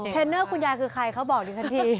เทรนเนอร์คุณยายคือใครเขาบอกดิฉันที